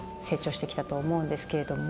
してきたと思うんですけれども。